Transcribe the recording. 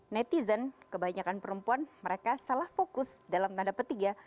netizen kebanyakan perempuan mereka salah fokus dalam tanda petiga